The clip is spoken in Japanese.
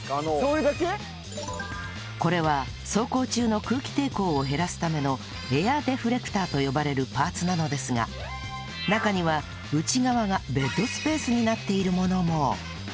これは走行中の空気抵抗を減らすためのエアデフレクターと呼ばれるパーツなのですが中には内側がベッドスペースになっているものも